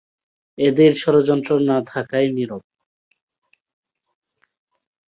এদের স্বরযন্ত্র না থাকায় নীরব।